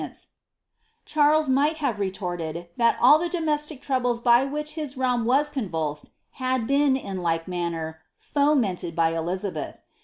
^* Charles might have retorted, that all the domestic troubles by which his realm was convulsed, had been, in like manner, fomented by Eliza beth.